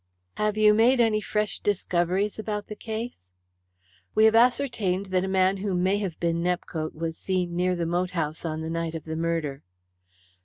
"Have you made any fresh discoveries about the case?" "We have ascertained that a man who may have been Nepcote was seen near the moat house on the night of the murder."